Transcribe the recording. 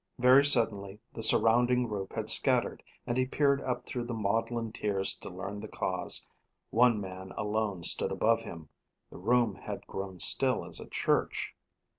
Very suddenly the surrounding group had scattered, and he peered up through maudlin tears to learn the cause. One man alone stood above him. The room had grown still as a church.